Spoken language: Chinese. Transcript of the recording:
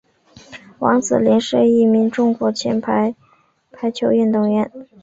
王子凌是一名中国前排球运动员。